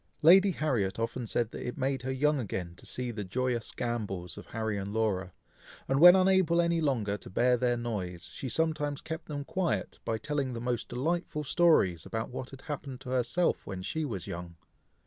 Lady Harriet often said that it made her young again to see the joyous gambols of Harry and Laura; and when unable any longer to bear their noise, she sometimes kept them quiet, by telling the most delightful stories about what had happened to herself when she was young.